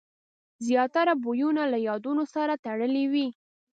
زیاتره بویونه له یادونو سره تړلي وي.